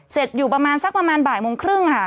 อยู่ประมาณสักประมาณบ่ายโมงครึ่งค่ะ